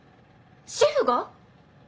シェフが？